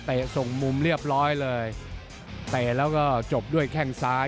ส่งมุมเรียบร้อยเลยเตะแล้วก็จบด้วยแข้งซ้าย